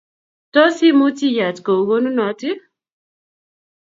Tos imuch iyat kou konunot ii ?